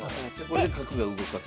これで角が動かせる。